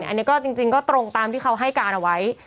อันนี้ก็จริงก็ตรงตามที่เขาให้การเอาไว้